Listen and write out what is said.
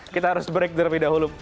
kita harus break terlebih dahulu